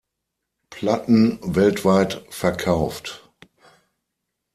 Platten weltweit verkauft.